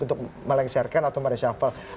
untuk melengsarkan atau meresapal